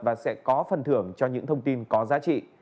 và sẽ có phần thưởng cho những thông tin có giá trị